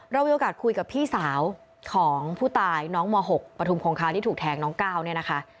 เรามีโอกาสคุยกับพี่สาวของผู้ตายน้องม๖ปฐุมคงคาที่ถูกแทงน้องก้าวเนี่ยนะคะ